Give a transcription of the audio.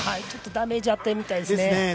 ちょっとダメージがあったみたいですね。